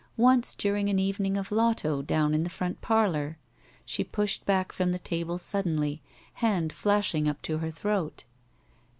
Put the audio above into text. Once during an evening of lotto down in the front parlor she pushed back from the table suddenly, hand flashing up to her throat.